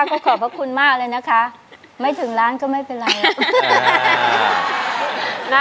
อยากจะบอกว่าขอบพระคุณมากเลยที่ช่วยเหลือเนี่ยขอให้ได้ล้านเลยนะ